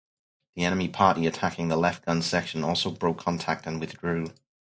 The enemy party attacking the left gun section also broke contact and withdrew.